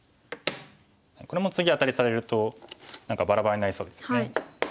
これも次アタリされると何かバラバラになりそうですよね。